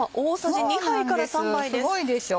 すごいでしょ。